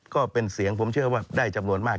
ก็เป็นเสียงผมเชื่อว่าได้จำนวนมาก